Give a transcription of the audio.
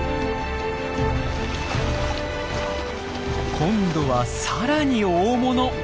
今度は更に大物！